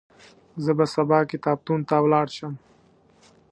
زه به سبا کتابتون ته ولاړ شم.